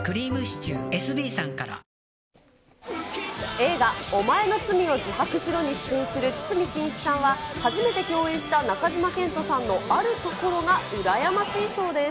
映画、おまえの罪を自白しろに出演する堤真一さんは、初めて共演した中島健人さんのあるところが羨ましいそうです。